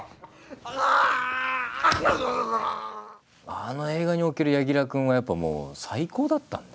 あの映画における柳楽君はやっぱもう最高だったんで。